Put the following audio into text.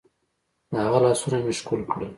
د هغه لاسونه مې ښكل كړل.